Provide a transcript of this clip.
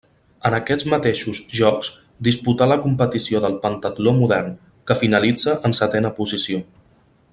En aquests mateixos Jocs disputà la competició del pentatló modern, que finalitza en setena posició.